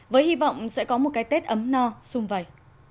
với hy vọng sẽ có một cái tết ấm no sung vầy